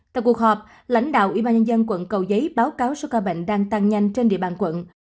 tại cuộc họp lãnh đạo ủy ban nhân dân quận cầu giấy báo cáo số ca bệnh đang tăng nhanh trên địa bàn quận